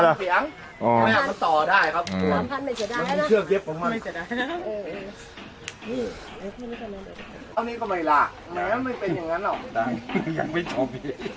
ได้ยังไม่ชอบ